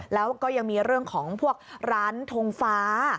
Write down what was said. แล้วก็ยังมีเรื่องของพวกร้านทงฟ้า